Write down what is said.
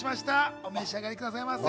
お召し上がりくださいませ。